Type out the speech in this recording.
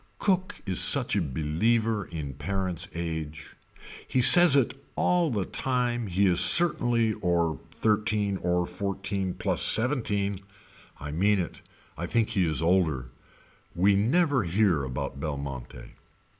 Cook is such a believer in parent's age. He says it all the time he is certainly or thirteen or fourteen plus seventeen. I mean it. I think he is older. We never hear about Belmonte.